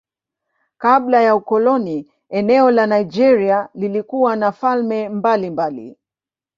Kabla ya ukoloni eneo la Nigeria lilikuwa na falme mbalimbali.